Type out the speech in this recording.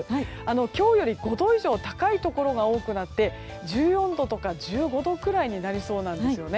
今日より５度以上高いところが多くなって、１４度とか１５度くらいになりそうですね。